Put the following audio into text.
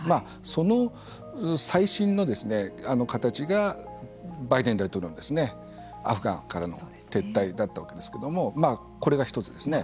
その最新の形がバイデン大統領のアフガンからの撤退だったわけですけれどもこれが１つですね。